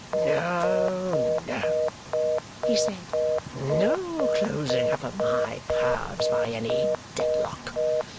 "No, no," he said, "no closing up of my paths by any Dedlock!